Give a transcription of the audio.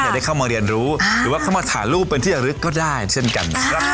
และเขามาเรียนรู้ขอบาทหารูปเป็นที่อรึกก็ได้เช่นกัน